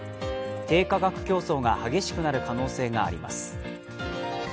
低価格競争が激しくなる可能性があります。